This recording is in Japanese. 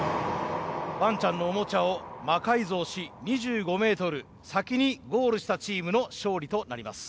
ワンちゃんのオモチャを魔改造し２５メートル先にゴールしたチームの勝利となります。